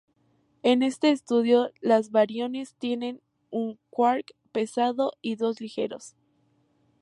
En este estudio los bariones tienen un quark pesado y dos ligeros.